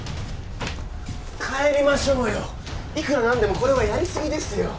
帰りましょうよいくらなんでもこれはやりすぎですよ